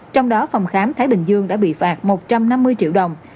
trong đó phòng khám thái bình dương đã bị phạt một trăm năm mươi triệu đồng